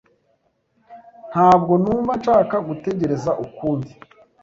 Ntabwo numva nshaka gutegereza ukundi.